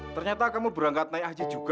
ternyata kamu berangkat naik aja juga